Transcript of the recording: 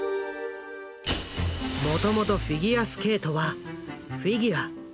もともとフィギュアスケートは「フィギュア」